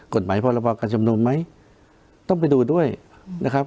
กฎหมายพรวรรภากจำนวมไหมต้องไปดูด้วยนะครับ